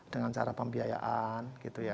dengan cara pembiayaan